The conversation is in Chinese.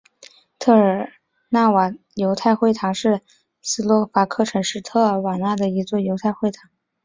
特尔纳瓦犹太会堂是斯洛伐克城市特尔纳瓦的一座犹太会堂。